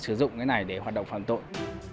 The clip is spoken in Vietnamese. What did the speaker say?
sử dụng cái này để hoạt động phạm tội